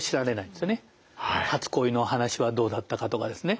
初恋の話はどうだったかとかですね